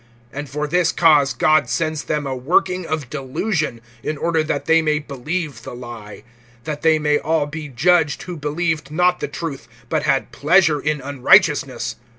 (11)And for this cause God sends them a working of delusion, in order that they may believe the lie; (12)that they may all be judged, who believed not the truth, but had pleasure in unrighteousness.